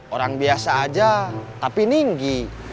orang biasa aja tapi ninggi